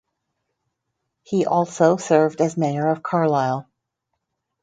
He also served as mayor of Carlyle.